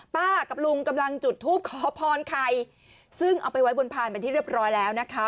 ป้ากับลุงกำลังจุดทูปขอพรไข่ซึ่งเอาไปไว้บนพานเป็นที่เรียบร้อยแล้วนะคะ